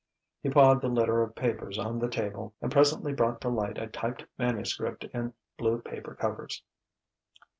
He pawed the litter of papers on the table, and presently brought to light a typed manuscript in blue paper covers.